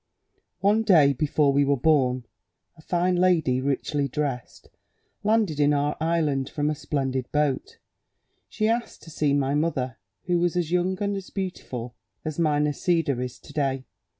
"One day, before we were born, a fine lady, richly dressed, landed in our island from a splendid boat; she asked to see my mother, who was as young and beautiful as my Nisida is to day.